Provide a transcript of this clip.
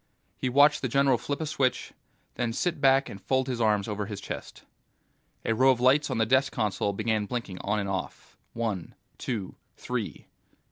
He watched the general flip a switch, then sit back and fold his arms over his chest. A row of lights on the desk console began blinking on and off, one, two, three